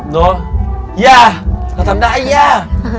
เนอะย่าเขาทำได้ย่า